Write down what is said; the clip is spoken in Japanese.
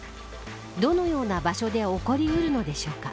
どのような場所で起こり得るのでしょうか。